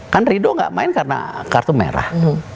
kan ridho tidak main karena kartu merah